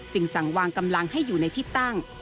สั่งวางกำลังให้อยู่ในที่ตั้ง